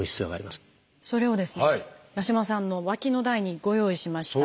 それをですね八嶋さんの脇の台にご用意しました。